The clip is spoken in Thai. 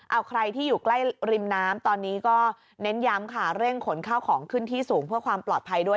เอาใครที่อยู่ใกล้ริมน้ำตอนนี้ก็เน้นย้ำค่ะเร่งขนข้าวของขึ้นที่สูงเพื่อความปลอดภัยด้วย